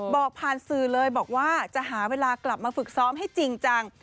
บอกผ่านสื่อเลยบอกว่าจะหาเวลากลับมาฝึกซ้อมให้จริงจัง